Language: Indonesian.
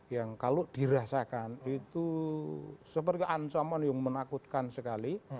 yang kalau dirasakan itu seperti ancaman yang menakutkan sekali